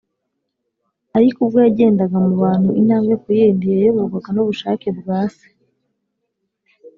. Ariko ubwo yagendaga mu bantu, intambwe ku yindi, yayoborwaga n’ubushake bwa Se